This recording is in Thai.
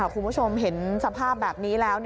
คุณผู้ชมเห็นสภาพแบบนี้แล้ว